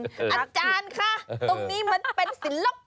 อาจารย์คะตรงนี้มันเป็นศิลปะ